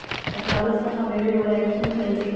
له کابل څخه میوې ولایتونو ته ځي.